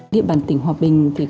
địa bàn tỉnh hòa bình